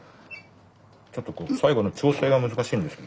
ちょっとこう最後の調整が難しいんですよね。